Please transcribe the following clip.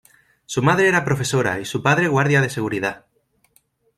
Su madre era profesora y su padre guardia de seguridad.